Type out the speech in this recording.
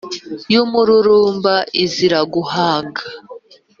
Y'umururumba izira guhaga